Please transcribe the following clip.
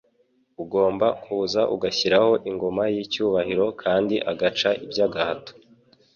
ugomba kuza agashyiraho ingoma y'icyubahiro kandi agaca iby'agahato.